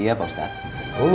iya pak ustadz